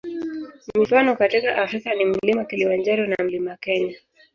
Mifano katika Afrika ni Mlima Kilimanjaro na Mlima Kenya.